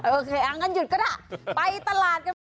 โอเคอ่ะงั้นหยุดก็ได้ไปตลาดกันไป